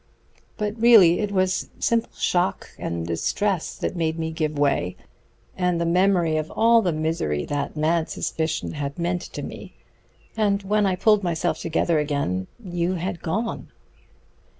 "But really it was simple shock and distress that made me give way, and the memory of all the misery that mad suspicion had meant to me. And when I pulled myself together again you had gone."